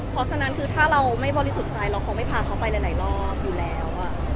เพราะฉะนั้นคือถ้าเราไม่บริสุขใจค่อยไปหลายรอบอยู่แล้ว